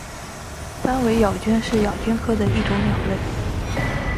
斑尾咬鹃是咬鹃科的一种鸟类。